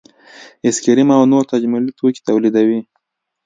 ایس کریم او نور تجملي توکي تولیدوي